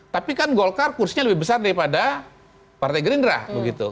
tapi kan golkar kursinya lebih besar daripada partai gerindra begitu